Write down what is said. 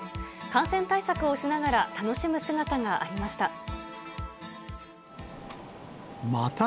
感染対策をしながら楽しむ姿がありました。